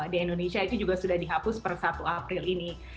di indonesia itu juga sudah dihapus per satu april ini